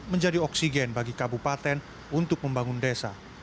menjadi oksigen bagi kabupaten untuk membangun desa